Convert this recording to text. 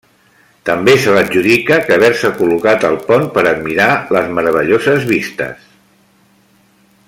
També se l'adjudica que haver-se col·locat al pont per admirar les meravelloses vistes.